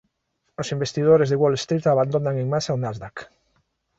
Os investidores de Wall Street abandonan en masa o Nasdaq